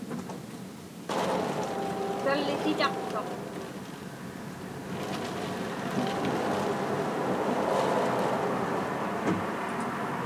Sallisitaqtuq.